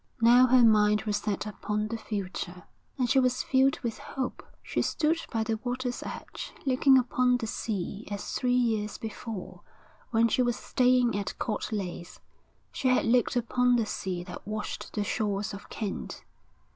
Now her mind was set upon the future, and she was filled with hope. She stood by the water's edge, looking upon the sea as three years before, when she was staying at Court Leys, she had looked upon the sea that washed the shores of Kent.